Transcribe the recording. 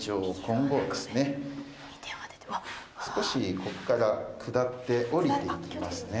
少しこっから下って下りていきますね。